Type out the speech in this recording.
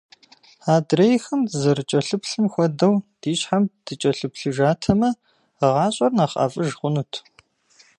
Адрейхэм дазэрыкӀэлъыплъым хуэдэу ди щхьэм дыкӀэлъыплъыжатэмэ, гъащӀэр нэхъ ӀэфӀыж хъунут.